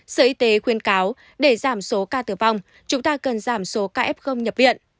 sở y tế khuyên cáo để giảm số ca tử vong chúng ta cần giảm số ca f nhập viện